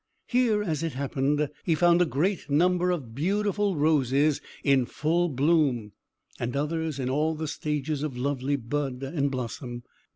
Here, as it happened, he found a great number of beautiful roses in full bloom, and others in all the stages of lovely bud and blossom.